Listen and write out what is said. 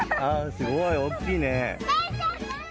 すごい、大きいね。